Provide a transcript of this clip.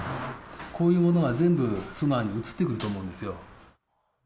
こういうものが全部、ソナーに映ってくると思うんですよ。